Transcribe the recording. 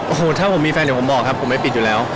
โอ้โหถ้าผมมีแฟนเดี๋ยวผมบอกครับผมไม่ปิดอยู่แล้ว